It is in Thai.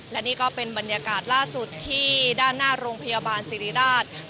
และนี่ก็เป็นบรรยากาศล่าสุดที่ด้านหน้าโรงพยาบาลสิริราช